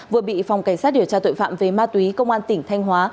vừa bị phòng cảnh sát điều tra tội phạm về ma túy công an tỉnh thanh hóa